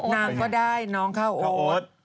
นางก็ได้น้องเข้าโอ๊ต